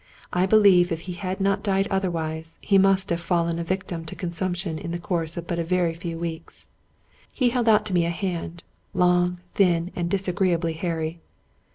I believe if he had not died otherwise, he must have fallen a victim to consumption in the course of but a very few weeks. He held out to me a hand, long, thin, and disagreeably hairy.